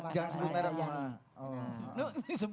jangan sebelum merah bunga